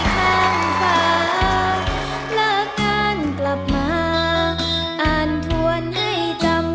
ก่อนใกล้บ้านมา